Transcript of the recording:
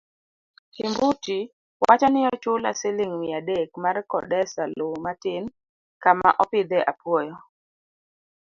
Tumbuti wacho ni ochula siling mia adek mar kodesa loo matin kama opidhe apuoyo